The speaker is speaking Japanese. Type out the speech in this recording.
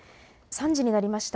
３時になりました。